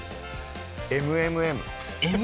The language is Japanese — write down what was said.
「ＭＭＭ」？